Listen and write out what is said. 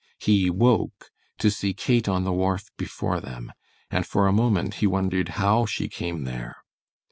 He woke to see Kate on the wharf before them, and for a moment he wondered how she came there.